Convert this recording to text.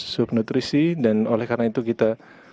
subnutrisi dan oleh karena itu kita